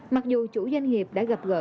mặc dù chủ doanh nghiệp đã gặp gỡ